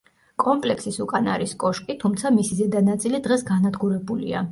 კომპლექსის უკან არის კოშკი, თუმცა მისი ზედა ნაწილი დღეს განადგურებულია.